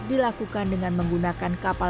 dilakukan dengan menggunakan kapal